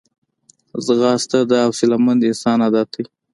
ځغاسته د حوصلهمند انسان عادت دی